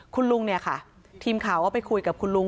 คุณลุงเนี่ยค่ะทีมข่าวก็ไปคุยกับคุณลุง